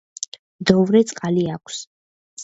მდოვრე წყალი აქვს.